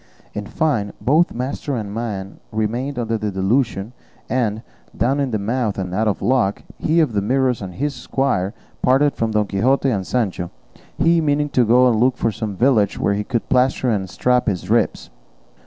In fine, both master and man remained under the delusion; and, down in the mouth, and out of luck, he of the Mirrors and his squire parted from Don Quixote and Sancho, he meaning to go look for some village where he could plaster and strap his ribs.